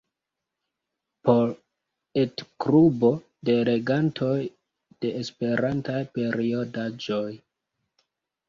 Por etklubo de legantoj de esperantaj periodaĵoj.